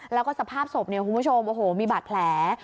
แล้วก็สภาพศพเนี่ยคุณผู้ชมโอ้โหมีบาดแผล